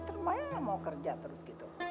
terbayangnya mau kerja terus gitu